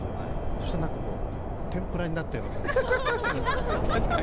そしたら、天ぷらになったような感じ。